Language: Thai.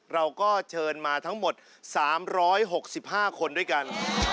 เราก็เชิญมาทั้งหมด๓๖๕คนด้วยกัน